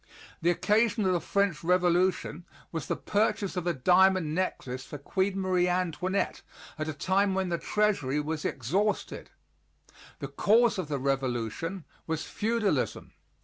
The occasion of the French Revolution was the purchase of a diamond necklace for Queen Marie Antoinette at a time when the treasury was exhausted; the cause of the revolution was feudalism.